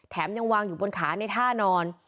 ยังวางอยู่บนขาในท่านอน